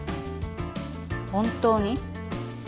本当に？